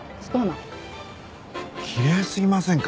きれいすぎませんか？